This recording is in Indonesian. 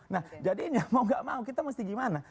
nah jadinya mau gak mau kita mesti gimana